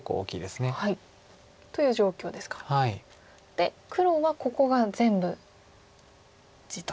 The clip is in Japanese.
で黒はここが全部地と。